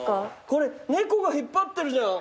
これ猫が引っ張ってるじゃん。